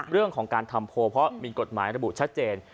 เรื่องของการทำโพลเพราะมีกฎหมายระบุชัดเจน